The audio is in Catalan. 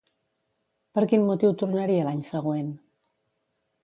Per quin motiu tornaria l'any següent?